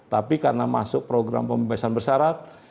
tapi karena masuk program pembebasan bersyarat